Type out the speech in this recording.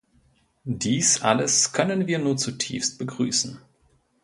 Dies alles können wir nur zutiefst begrüßen.